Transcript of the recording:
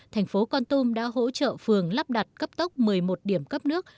thành phố con tum đã hỗ trợ phường lắp đặt cấp tốc một mươi một điểm cấp nước